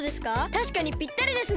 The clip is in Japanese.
たしかにぴったりですね！